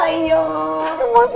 ujiannya aku kangen tahu nanti